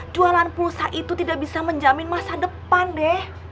jualan pulsa itu tidak bisa menjamin masa depan deh